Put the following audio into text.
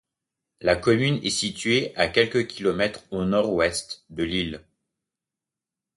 La commune est située à quelques kilomètres au nord ouest de Lille.